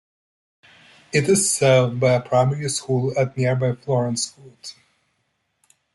It is served by a primary school at nearby Florencecourt.